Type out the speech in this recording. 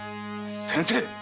先生！